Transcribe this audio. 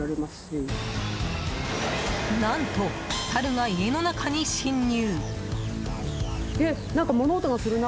何と、サルが家の中に侵入！